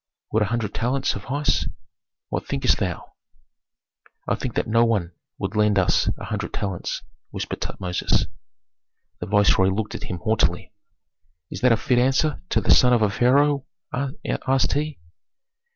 Would a hundred talents suffice? What thinkest thou?" "I think that no one would lend us a hundred talents," whispered Tutmosis. The viceroy looked at him haughtily. "Is that a fit answer to the son of a pharaoh?" asked he.